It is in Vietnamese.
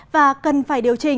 và cần phải điều chỉnh